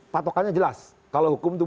patokannya jelas kalau hukum itu